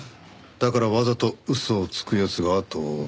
だからわざと嘘をつく奴があとを絶たない。